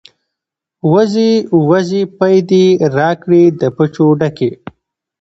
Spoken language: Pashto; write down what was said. ـ وزې وزې پۍ دې راکړې د پچو ډکې.